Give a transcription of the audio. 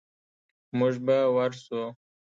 موږ به ورسو.